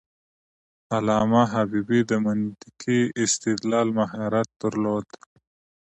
علامه حبيبي د منطقي استدلال مهارت درلود.